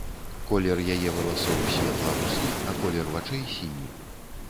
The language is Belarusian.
Колер яе валасоў светла-русы, а колер вачэй сіні.